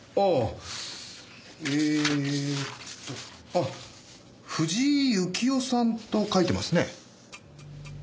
あっ藤井由紀夫さんと書いてますね。